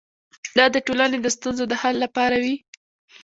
دا د ټولنې د ستونزو د حل لپاره وي.